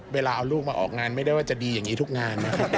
เวลาเอาลูกมาออกงานไม่ได้ว่าจะดีอย่างนี้ทุกงานนะครับ